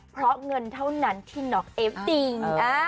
เพราะเงินเท่านั้นที่น็อกเอฟจริง